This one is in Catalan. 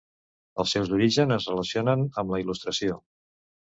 Els seus orígens es relacionen amb la Il·lustració.